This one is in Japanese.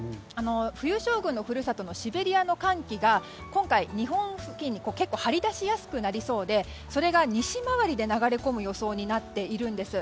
冬将軍の故郷のシベリアの寒気が今回日本付近に張り出しやすくなりそうでそれが西回りで流れ込む予想になっているんです。